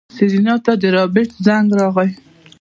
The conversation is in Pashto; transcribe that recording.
سېرېنا ته د رابرټ زنګ راغی.